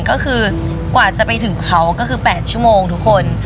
ก็คือกว่าจะไปถึงเขาก็คือ๘ชั่วโมงทุกคน